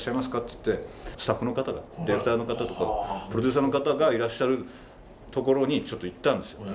ってスタッフの方がディレクターの方とかプロデューサーの方がいらっしゃるところにちょっと行ったんですよ。